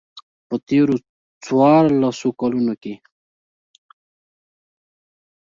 په تېرو څوارلسو کلونو کې.